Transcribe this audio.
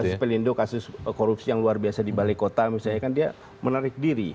kasus pelindo kasus korupsi yang luar biasa di balai kota misalnya kan dia menarik diri